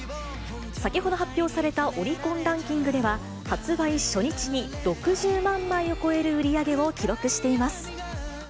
先ほど発表されたオリコンランキングでは、発売初日に６０万枚を超える売り上げを記録しています。